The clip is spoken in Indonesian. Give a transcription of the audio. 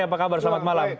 apa kabar selamat malam